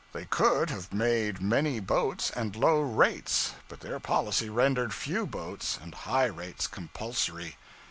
They could have had many boats and low rates; but their policy rendered few boats and high rates compulsory.